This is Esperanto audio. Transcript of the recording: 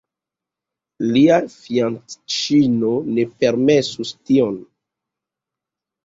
Lia fianĉino ne permesus tion.